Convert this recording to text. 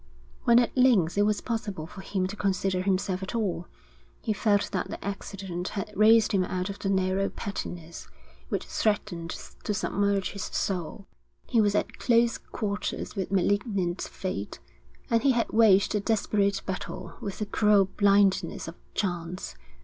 When at length it was possible for him to consider himself at all, he felt that the accident had raised him out of the narrow pettiness which threatened to submerge his soul; he was at close quarters with malignant fate, and he had waged a desperate battle with the cruel blindness of chance.